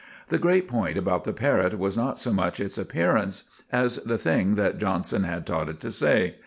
The great point about the parrot was not so much its appearance as the thing that Johnson had taught it to say.